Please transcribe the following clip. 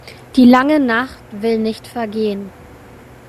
Die lange Nacht will nicht vergehen.